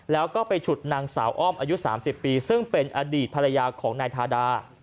แล้วก็ไปฉุดนางสาวอ้อมอายุ๓๐ปีซึ่งเป็นอดีตภรรยาของนายทาดา